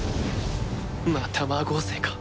また魔合成か。